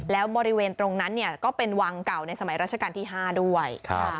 แล้วบริเวณตรงนั้นก็เป็นวังเก่าในสมัยราชการที่๕ด้วย